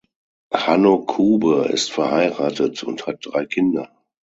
Hanno Kube ist verheiratet und hat drei Kinder.